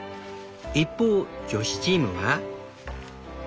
一方女子チームは。